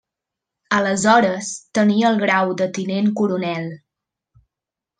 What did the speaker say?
Aleshores, tenia el grau de tinent coronel.